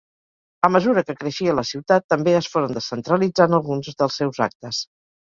A mesura que creixia la ciutat, també es foren descentralitzant alguns dels seus actes.